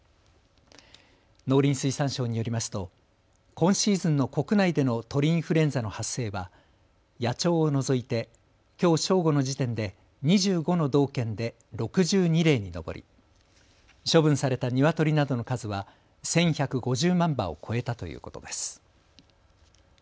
農林水産省によりますと今シーズンの国内での鳥インフルエンザの発生は野鳥を除いてきょう正午の時点で２５の道県で６２例に上り処分されたニワトリなどの数は１１５０万羽を超えたということです。